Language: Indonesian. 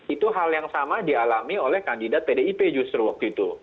itu hal yang sama dialami oleh kandidat pdip justru waktu itu